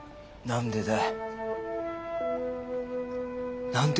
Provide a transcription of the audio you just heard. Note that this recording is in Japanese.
何でだよ？